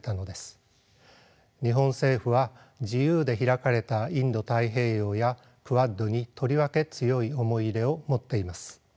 日本政府は「自由で開かれたインド太平洋」やクアッドにとりわけ強い思い入れを持っています。